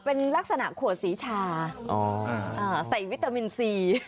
เป็นลักษณะขวดสีชาใส่วิตามินซี